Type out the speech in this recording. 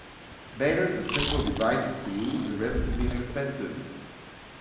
Bailers are simple devices to use and are relatively inexpensive.